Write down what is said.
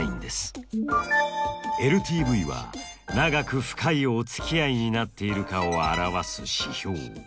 ＬＴＶは長く深いおつきあいになっているかを表す指標。